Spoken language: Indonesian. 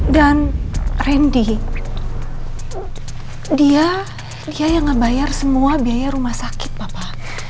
dan randy dia yang ngebayar semua biaya rumah sakit papa